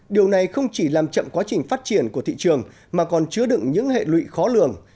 điều này không chỉ làm chậm quá trình phát triển của thị trường mà còn chứa đựng những hệ lụy khó lường